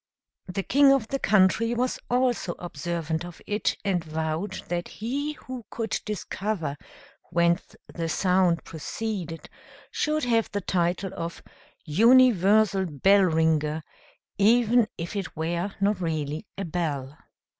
The king of the country was also observant of it, and vowed that he who could discover whence the sounds proceeded, should have the title of "Universal Bell ringer," even if it were not really a bell.